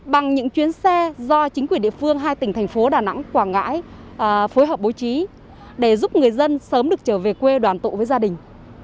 bằng những chuyến xe do chính quyền địa phương hai tỉnh thành phố đà nẵng quảng ngãi phối hợp bố trí để giúp người dân sớm được trở về quê đoàn tụ với gia đình